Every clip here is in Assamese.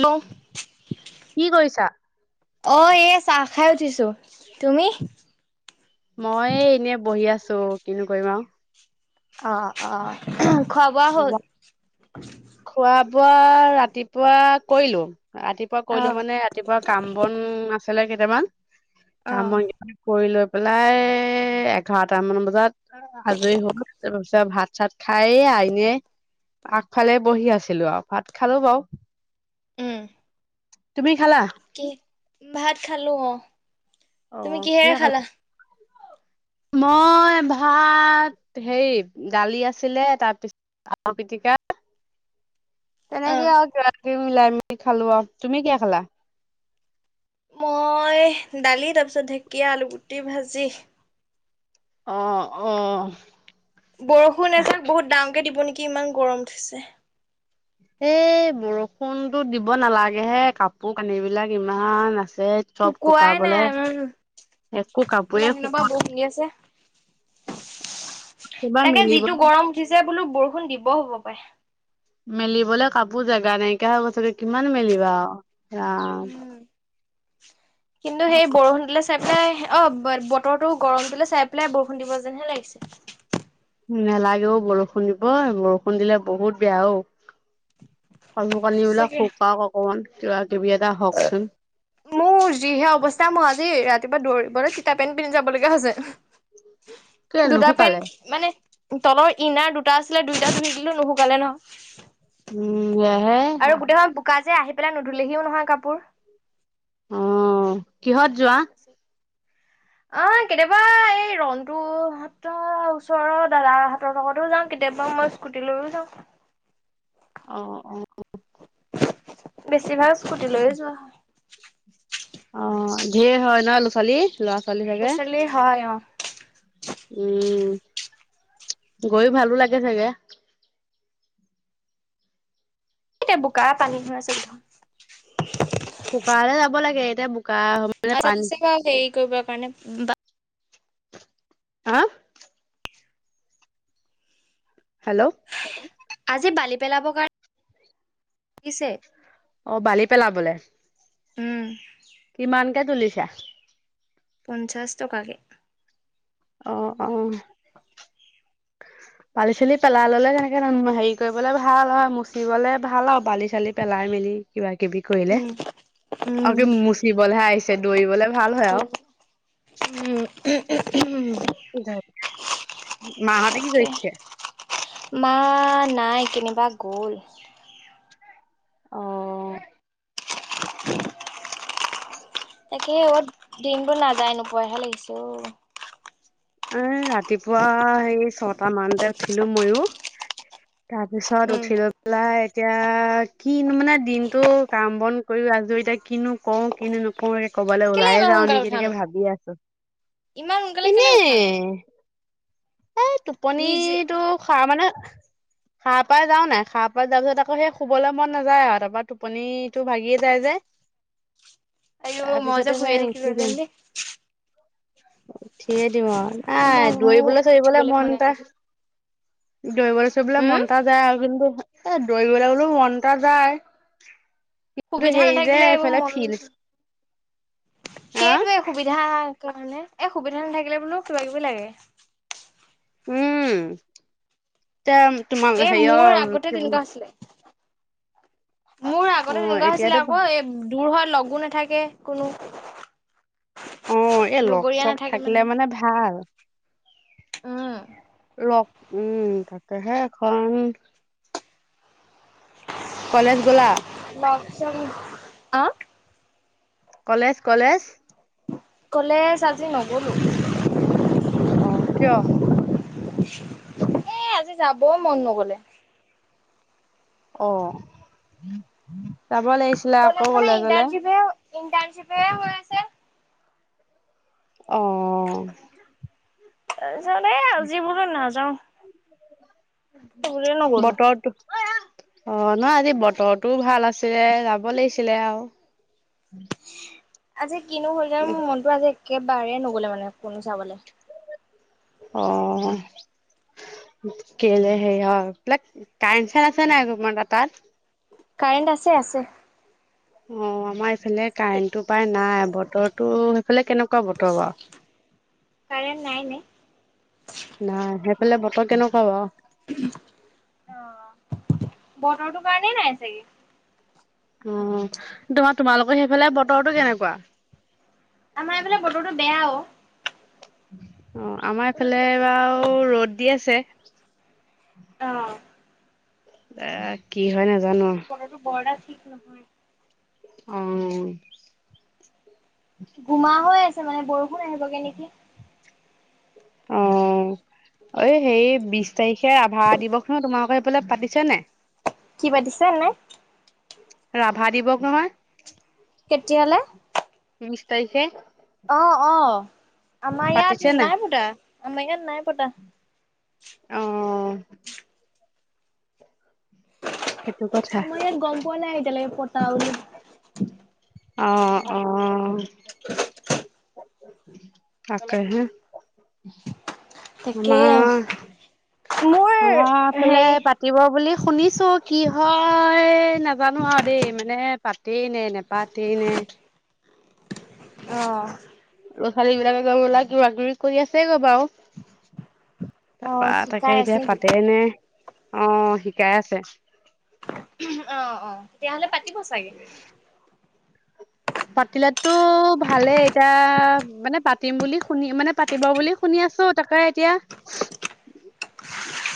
হেল্ল' কি কৰিছ? অ এ চাহ খাই উঠিছো। তুমি? মই এনেই বহি আছো। চো কিনো কৰিম আও। অ অ খোৱা বোৱা হ'ল? খোৱা বোৱা ৰাতিপুৱা কৰিলো। ৰাতিপুৱা কৰিলো অ' মানে ৰাতিপুৱা কাম বন আছে। ফালে কেইটামান অ'। কামই কৰি লৈ পেলাই এঘাৰটামান বজাত আজৰি হলো। তাৰ পিছত ভাত চাত খাই আইনে আ ফালে বহি আছিলো আও। ভাত খালো বাৰু উম তুমি খালা? কি ভাত খালো অ। তুমি অ' কিহে কিহেৰে খালা? মই ভাত হেৰি দালি আছিলে, তাৰপিছত আলু পিটিকা। অ তেনেকে আও মিলাই মিলি খালো আও। তুমি কি খালা? মই দালি তাৰ পিছত ঢেকীয়া, আলুগুটি ভাজি। অহ অহ। বৰষুণে চও বহুত দাম কে দিব নেকি। কি ইমান গৰম উঠিছে। এ বৰষুণতো দিব নালাগে হে কাপোৰ কানি বিলাক ইমান আছে। চব শুকুৱাই শুকাবলে নাই উ ইমান একো কাপোৰে দিনৰ শুকোৱা পৰা বৰষুন্দি আছে কিবা তাকে মেলিব যিটো গৰম উঠিছে বোলো বৰষুণ। বৰষুণৰ দিব হ'ব পাৰে। মেলিবলৈ কাপোৰ জোগা নাইকা হৈ গছ কিমান মেলিবা। ৰাম। উ কিন্তু সেই বৰষুণ দিলে। চাই পেলাই অ বতৰটো গৰম দিলে চাই পেলাই বৰষুণ দিব যেনহে লাগিছে। নেলাগে অও বৰষুণ দিব বৰষুণ দিলে বহুত বেয়া অঔ। কাপোৰ কানিবিলাক সঁচাকে শুকও অকমান। যোৱা। দূবি আদা হওকচোন মোৰ যিহে অৱস্থা মই আজি ৰাতিপুৱা দৌৰিবলৈ তিতাপ পেণ্ট পিন্ধি যাব লগগীয়া কেলে হৈছে। দুটা নুশুকালে পেন্ট মানে তলৰ ইনাৰ দুটা আছে। ছিলে দুইটা ধুৰিকিলো নুশুকালে ন। উম সেয়াহে আৰু গোটেইখন বোকা যে আহি পেলাই নুধুলেহিও নহয় কাপোৰ। কাপোবোৰ। অহ। কিহত যোৱা। আহ কেতিয়াবা এই ৰনটোুৰ হাতৰ ওচৰৰ দাদা হতৰ লগতো যাওঁ কেতিয়াবা মই স্কুটি লৈও যাওঁ। অ, অ। বেছি ভাগ। স্কুটি লৈয়ে যোৱা হয়। অ ধঢেৰ হয় নহ ল'ৰা ছোৱালী। ল'ৰা ছোৱালী ল'ৰা চাগে ছোৱালী হয় অ। উম গৈ ভালো লাগে চাগে। এয়া বোকা পানী ভৰাই চিলো। শুকে যাব লাগে এতিয়া। বোকা মানে পানী হেৰি কৰিব কাৰণে। হাঁ হেল্ল'। আজি বালি পেলাবৰ কাৰণে দিছে। অ বালি পেলাবলে। উম। কিমান? কে তুলিছা? পঞ্চাছ টকাকে। অ অ বালি চালি পেলাই ললে তেনেকে হেৰি কৰিবলে ভাল হয় মচিবলে ভাল আৰু বালি চালি পেলাই মেলি। কিবা কিবি কৰিলে উম। উম, আৰু মুচিবলৈহে আহিছে দৌৰিবলে ভাল হয় আৰু। উমম মাহঁতে কি তাকে কৰিছে মাঁ নাই কেনিবা গ'ল অঁ। উম। [inaudible] [inaudible] তাকে, অত দিনবোৰ নাযায় নোপোৱহে লাগিছো। এ, ৰাতিপুৱা সেই ছটা মানতে উঠিলো ময়ো। তাৰ পিছত উম, উঠি লৈ পেলাই এতিয়া কিনো মানে দিনটো কাম বন কৰি আজৰি এতিয়া কিনো কও কিনো নকো ক'বালৈ কেলে ওলাই। ইমান যাওঁ সোনকালে নেকি তাকে উঠানো ভাবি আছো ইমান সোনকালে এনে। কেলে উঠানো এ। এই নিজে টোপনিতটো হয় মানে হাঁ পাই যাওঁ নাই, হা পাই যোৱা পিছত আকৌ সেই শুবলৈ মন নাযায়। আৰু তাৰপৰা টোপনিটো ভাগিয়ে যায় যে। তাৰ অয়' মই যে পিছতে হুই থাকিলো হেতেন দেই কৰি হয়। দিম নাই মোৰ দৌৰিবলৈ ধৰিবলৈ উঠিবলৈ মন মনে এটা। নাযায় দৌৰিবলৈ চৰিলৈ উম, মন এটা যায় আৰু কিন্তু এ দৌৰিবলৈ বোলেও মনশ্ৰএটা যায়। কিন্তু সুবিধা হেৰি যে নাথাকিলে এইবোৰ এইফালে মন, ফিল্ড হা সেইটোৱে সুবিধা। স কাৰণে এই সুবিধা নাথাকিলে বোলো কিবা, কিবি লাগে। উম। এতি, তোমাৰ এ হেৰি মোৰ অঁ, আগতে কি তেনেকুৱা বুলি হৈছিলে [unintelligible] মোৰ অ আগতে তেনেকুৱা হৈছিলে এতিয়াতো ভা আকৌ এ দূৰ হোৱাৰ লগো নাথাকে। কোনো [unintelligible] অঁ, এই লগ লগৰীয়া চক নাথাকে থাকিলে মানে ভাল। ৰ উম, তাকে হে, এখন হয় [inaudible] কলেজ গলা। কচ আহ। কলেজ-কলেজ? কলেজ আজি নগলো। অঁ, কিয়? এ, আজি যাব মন নগলে। অঁ। যাব লাগিছিলে, আকৌ কলেজলে। ইণ্টাৰনশিপ এ ম আছে। অ। হ। জেই আজিবলৈ নাযাও। বুলিয়ে নগলো। বতৰ অ নহয় আজি বতৰটোও ভাল আছে যাব লাগিছিল ছিলে আৰু আজি কিনো হল জানো মোৰ মনতো আজি একেবাৰে নগলে মানে কোনো চাবলৈ অ কেলে সেৰি অ পাক কাইন চাইন আছে নাই তম তাত কাৰেণ্ট আছে আছে অ আমাৰ এইফালে কাৰেণ্টটো পায় নাই বতৰত টো সেইফালে কেনেকুৱা বতৰ কাৰেণ্ট নাই নে আৰু নাই সেইফালে বত পা কেনেকা বা অ বতৰটো কাৰণেই নাই চাগে অ তোমাৰ তোমালোকৰ সেইফালে বতৰটো কেনেকুৱা আমাৰ এইফালে বতৰো বেয়াও অ আমাৰ এইফালে বাৰু ৰ'দ দি আছে অ অ কি হয় আমাৰ নাজানো এইফালে বতৰটো বৰ এটা ঠিক নহয় অ গোমা হৈ আছে মানে বৰষুণ আহিবগে নেকি অ অ সেই বিশ তাৰিখে আভা দিৱস নয় তোমালোক সেইফালে পাতিছে নে কি পাতিছো নাই ৰাভা দিৱস নহয় কেতিয়ালে বিছ তাৰিখে অ', অ', আমাৰ ইয়াত নাই বুতা আ মক নাই পতা অ [inaudible] সেইটো কথা আমা ইয়াত গম পোৱা নাই এতিয়ালৈকে পতা আৰু অ অ [inaudible] তাকে হে তাকে অঁ। মোৰ অফালে হেৰি পাতিব বুলি শুনিছো, কি হয় নাজানো আৰু দেই মানে পাতেই নে নেপাতেই নে। অঁ। এইবিলাক গলাকৰি কৰি আছে গৈ বাৰু। তাৰ অ', পৰা শিকাই তাকে আছে এতিয়া নেকি? পাতে নে অ' শিকাই আছে। অঁ-অঁ তেতিয়াহ'লে পাতিব চাগে। পাতিলেটো ভালেই, এতিয়া মানে পাতিম বুলি শুনি, মানে পাতিব বুলি শুনি আছো, তাকে এতিয়া,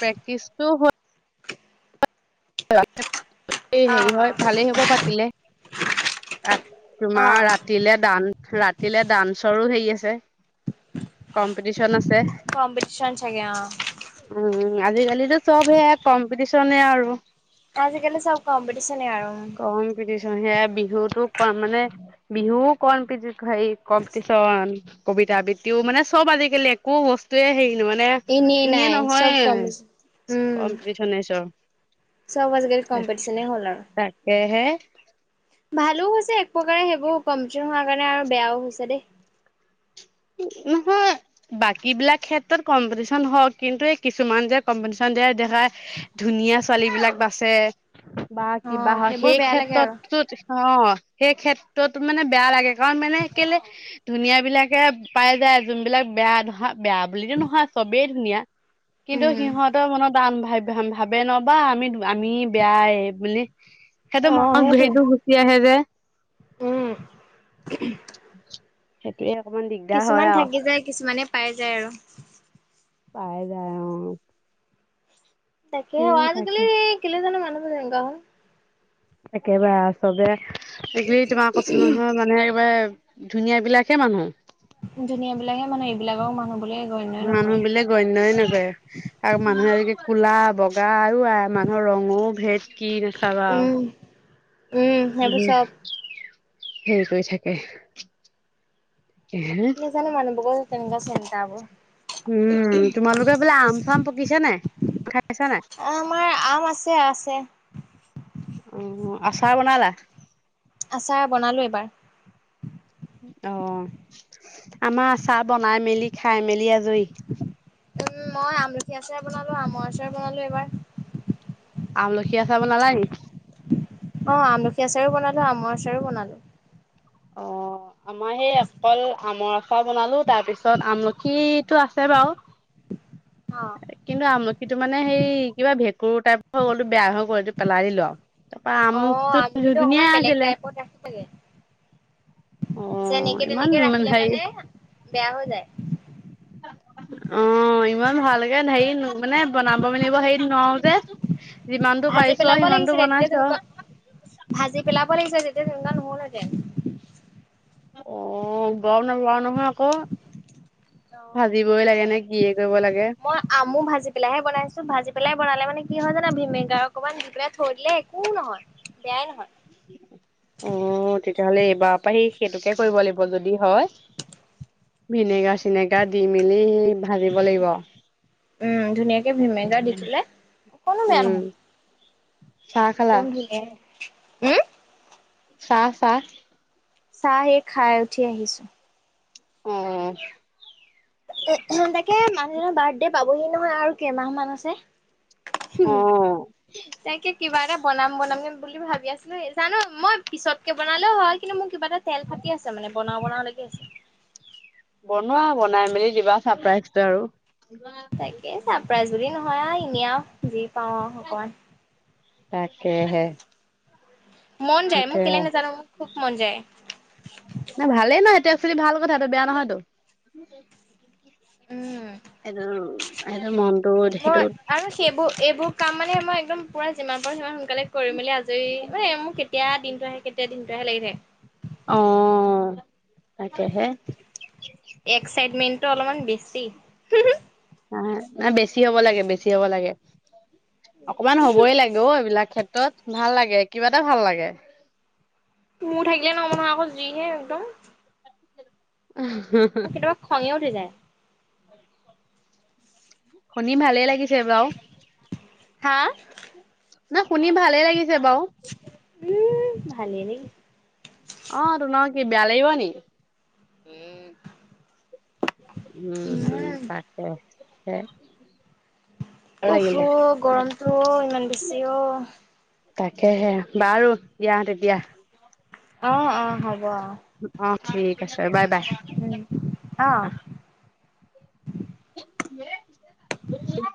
প্ৰেক্টিচটো হ [unintelligible] হেৰি হয় অ', ভালেই হ'ব পাতি দিলে [unintelligible] তোমাৰ অ', ৰাতিলে দান ৰাতিলে ডান্সৰো হেৰি আছে, কম্পিটিশন আছে। কম্পিটিন চাগে, অ' আজিকালি চবহে কম্পিটিশনে আৰু আজিকালি চব কম্পিটিশনে আৰু। কম্পিতিছো সেয়া বিহুতো কম মানে, বিহুও কম পি, হেৰি কম্পিটিশন, কবিতা বৃত্তিও, মানে চব আজিকালি একো বস্তুৱয়ে হেৰি ন মানে এনেই ইয়েই নাই চব নহয়, কম্পিটিচন উম, কম্পিটিচনে চব। চব আজি কালি কম্পিটিশনে হল আৰু। হে-হে ভালো হৈছে এক প্ৰকাৰে সেইবোৰ কম্পিটিশ হোৱাৰ কাৰণে আৰু বেয়াও হৈছে দেই। নহয় বাকী বিলাক ক্ষেত্ৰত কম্পিটিচন হওক কিন্তু এই কিছুমান যে কম্পিটিচন দিয়া দেখা ধুনীয়া ছোৱালী বিলাক বাচে বা কিবা অ', হয়, সেইবোৰ সেই বেয়া লাগে আৰু। ক্ষেত্ৰতটো অঁ সেই ক্ষেত্ৰত মানে বেয়া লাগে, কাৰণ মানে কেলে ধুনীয়া বিলাকে পাই যায়, যোনবিলাক বেয়া ধৰা বেয়া বুলিতো নহয় চবেই ধুনীয়া [inaudible] কিন্তু উম। সিহঁতৰ মনত দান ভ' ভাবে নবা আমি আমি বেয়াই বুলি, সেইহটো অ মনত সেইটোৱে। হেটো গুচি আহে যে উম [inaudible] সেইটোয়ে অকণমান কিছুমান থাকি যায়। কিছুমানে পাই যায় আৰু। পাই যায় অ। তাকে সেই অ' তাকে আজিকালি কেলে জানো মানুহবোৰে গ [unintelligible] একেবাৰে আও চবে এইগিলি তোমাৰ কচো নহয় মানে একেবাৰে ধুনীয়া বিলাকহে মানুহ। ধুনীয়া বিলাকহে মানুহ। এইবিলাক আও মানুহ বুলি গণ্যই নকৰে। মানুহ বুলি গণ্যই নকৰে আৰু মানুহে আজিকালি বগা অ' আই মানুহৰ ৰঙো ভেদ কি চাবা আও উম উম। সেইবোৰ চব। হেৰি কৰি থাকে হে কি জানো মানু বগত তেনেক চিন্তাবো উম তোমালোকে বোলে আম-চাম পকিছে নাই? খাইছা নাই? আমাৰ আম আছে। আছে। অ আচাৰ বনালা? আচাৰ বনালো এবাৰ। অ। আমাৰ আচাৰ বনাই মেলি খাই- মেলি আজৰি। উম মই আমলখি আচাৰ বনালো। আমৰ আচাৰ বনালো এবাৰ। আমলখি আচাব বনালা নি? অ আমলখি আচাৰো বনালো। আমৰ আচাৰো বনালো। অ আমাৰ সেই অকল আমৰ আচাৰ বনালো। তাৰ পিছত আমলখিটো আছে বাৰু। অ কিন্তু আমল -লখিটো মানে হেই কিবা ভেঁকুৰ টাইপ হৈ গ'ল। বেয়া হৈ গ'ল। এইটো পেলাই দিলো আৰু। তাৰপা অ আমটো আমলখিটো ধুনীয়া অকমান বেলেগ আছিলে টাইপত ৰাখিব লাগে অ' যেনেকে ইমান তেনেকে ৰাখিলে হেৰি মানে বেয়া হৈ যায়। অ'হ ইমান ভালকে হেৰি মানে বনাব মেলিব হেৰিত নোৱাউ যে যিমানটো ভাজি পাৰিছো আৰু পেলাব সিমানটো লাগিছিলে তেতিয়া বনাইছো তেনেকুৱা আৰু। ভাজি পেলাব পেলাব লাগিছিলে তেতিয়া তেনেকুৱা নহলহেঁতেন। অ গম নাপাওঁ নহয় আকৌ। অ ভাজিবই ভাজি লাগে পেলাব নে কিয়ে লাগিছিল। কৰিব লাগে। মই আমু ভাজি পেলাইহে বনাইছো। ভাজি পেলাই বনালে মানে কি হয় জানা ভিনেগাৰ অকমান দি পেলাই ধৰিলে একো নহয় বেয়াই নহয় অ' তেতিয়াহ'লে এইবাৰৰ পৰা সেই সেইটোকে কৰিব লাগিব যদি হয় ভিনেগাৰ চনেকা দি মেলি ভাজিব লাগিব উম ধুনীয়াকে ভিনেগাৰ দি থলে উম চাহ খালা? গমঘে [unintelligible] উম চাহ চাহ চাহে খাই উঠি আহিছোঁ অ তাকে মানুহজনৰ বাৰ্থডে পাবহি নহয় আৰু কেইমাহ মান আছে উ অ তেকে কিবা এটা বনাম বনাম বুলি ভাবি আছো ন জানো মই পিছতকে বনালেও হয় কিন্তু মোৰ কিবা এটা তেল ফাটি আছে মানে বন বনাব লে আছে বনোৱা বনাই মেলি দিবা চাৰপ্ৰাইজ আৰু তাকে চ্ৰাপাইজ বুলি নহয় আহ এনে আৰু যি পাওঁ আৰু অকমান তাকেহে মন যায় মোক কেলে সেইটোৱে নাজানো মোক খুব মন যায় ন ভালেই নহ সেইটো একচোৱেলি ভাল কথা এইটো বেয়া নহয়তো উম এইটো এইটো মনটো মই তেখেতে আৰু সেইবোৰ এইবোৰ কাম মানে মই একদম পুৰা যিমান পাৰো সিমান সোনকালে কৰি মেলি আজ এই মোৰ কেতিয়া দিনটো আহে কেতিয়া দিনটো আহে লাগি থাকে অ তাকেহে এক্া [unintelligible] ইটমেণ্টটো অলপমান বেছি ন নাই বেছি হব লাগে বেছি হ'ব লাগে অকমান হ'বই লাগে অ এইবিলাক ক্ষেত্ৰত তত ভাল লাগে কিবা এটা ভাল লাগে মোৰ থাকিলে ন মহ আকৌ জিহে উদ কেতিয়াবা খঙে উঠি যায় শুনি ভালেই লাগিছে বাৰু হা না শুনি ভালে লাগিছে বও ভালে ন অ ত নহ কি বিয়া লাগিব নেকি এই উম তাকে হম উহু গৰম। তুই ইমান বেছি অহ ', তাকেহে বাৰু দিয়াহ তেতিয়া। অহ - অহ হয়। অহ ', ঠিক আছে বাই- বাই উম, অ'। আহ', হ [inaudible] উ [unintelligible]